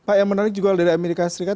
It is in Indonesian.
pak yang menarik juga dari amerika serikat